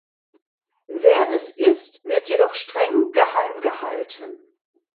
Wer es ist, wird jedoch streng geheim gehalten.